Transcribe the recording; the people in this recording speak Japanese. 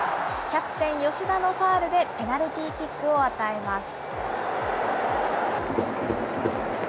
キャプテン、吉田のファウルでペナルティーキックを与えます。